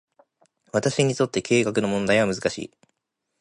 私にとって、経済学の問題は難しい。